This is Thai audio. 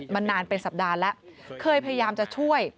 นานเป็นสัปดาห์แล้วเคยพยายามจะช่วย